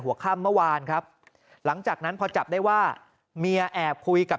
ค่ำเมื่อวานครับหลังจากนั้นพอจับได้ว่าเมียแอบคุยกับ